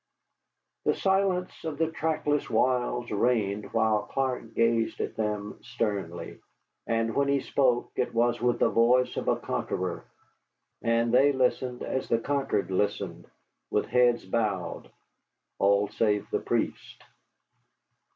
The silence of the trackless wilds reigned while Clark gazed at them sternly. And when he spoke it was with the voice of a conqueror, and they listened as the conquered listen, with heads bowed all save the priest.